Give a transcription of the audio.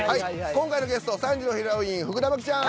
今回のゲスト３時のヒロイン福田麻貴ちゃん。